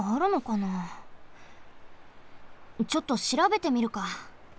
ちょっとしらべてみるか。